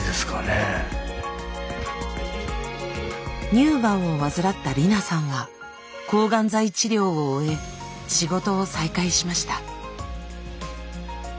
乳がんを患ったりなさんは抗がん剤治療を終え仕事を再開しました。